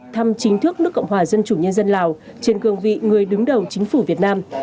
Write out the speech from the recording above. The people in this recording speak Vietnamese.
thăm chính thức nước cộng hòa dân chủ nhân dân lào trên cương vị người đứng đầu chính phủ việt nam